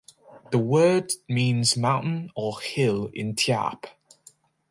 The word means "mountain" or "hill" in Tyap.